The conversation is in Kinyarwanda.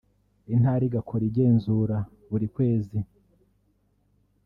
Intara igakora igenzura buri kwezi